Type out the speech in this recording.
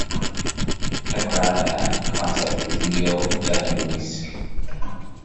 Kagrra,'s concept is "Neo Japanesque".